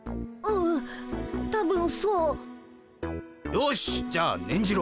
よしじゃあねんじろ。